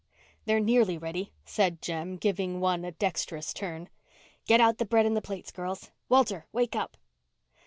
"They're nearly ready," said Jem, giving one a dexterous turn. "Get out the bread and the plates, girls. Walter, wake up."